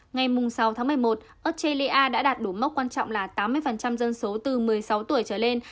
ngày sáu tháng một mươi một australia đã đạt đủ mốc quan trọng là tám mươi dân số từ một mươi sáu tuổi trở lên